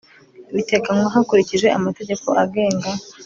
biteganywa hakurikijwe amategeko agenga